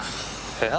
部屋？